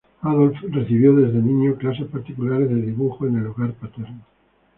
Adolph recibió desde niño clases particulares de dibujo en el hogar paterno.